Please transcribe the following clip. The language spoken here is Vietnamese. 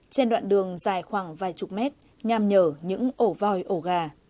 trên đoạn đường dài khoảng vài chục mét nham nhở những ổ vòi ổ gà